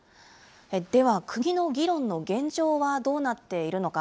では、国の議論の現状はどうなっているのか。